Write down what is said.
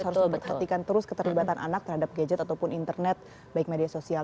harus memperhatikan terus keterlibatan anak terhadap gadget ataupun internet baik media sosial